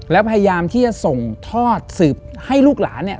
แล้วพยายามที่จะส่งทอดสืบให้ลูกหลานเนี่ย